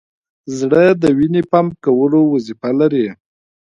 زړه د وینې پمپ کولو وظیفه لري.